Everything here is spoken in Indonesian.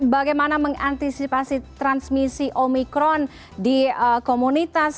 bagaimana mengantisipasi transmisi omikron di komunitas